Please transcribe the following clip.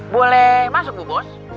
boleh masuk bu bos